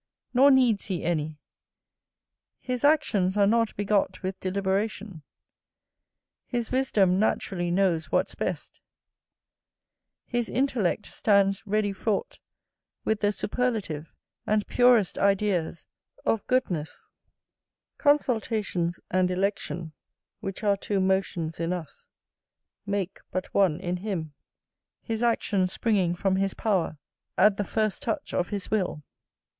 Nor needs he any; his actions are not begot with deliberation; his wisdom naturally knows what's best: his intellect stands ready fraught with the superlative and purest ideas of goodness, consultations, and election, which are two motions in us, make but one in him: his actions springing from his power at the first touch of his will.